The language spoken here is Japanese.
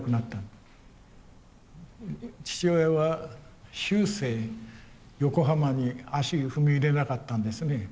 父親は終生横浜に足踏み入れなかったんですね。